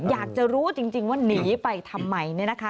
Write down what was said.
อยากจะรู้จริงว่าหนีไปทำไมเนี่ยนะคะ